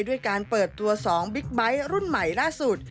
ด้วยการเปิดตัว๒บิ๊กไบท์รุ่นใหม่ล่าสุด